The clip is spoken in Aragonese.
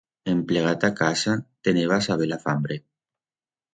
En plegar ta casa teneba a-saber-la fambre.